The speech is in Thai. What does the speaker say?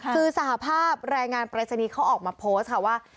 คือสหภาพแรงงานปรายศนีย์เขาออกมาโพสต์ค่ะว่า